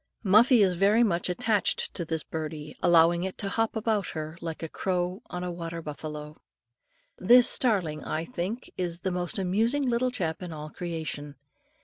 Muffie is very much attached to this birdie, allowing it to hop about her, like a crow on a water buffalo. This starling, I think, is the most amusing little chap in all creation.